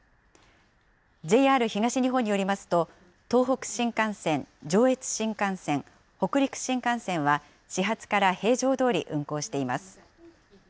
ＪＲ東日本によりますと、東北新幹線、上越新幹線、北陸新幹線は、始発から平常どおり運行しています。